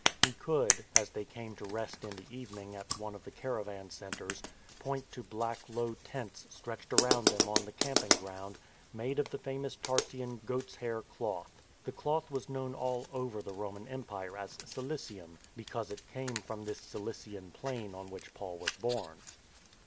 He could, as they came to rest in the evening at one of the caravan centres, point to black low tents stretched around them on the camp ing ground, made of the famous Tarsian goat's hair cloth. The cloth was known all over the Roman Empire as cilicium, because it came from this Cilician plain on which Paul was born.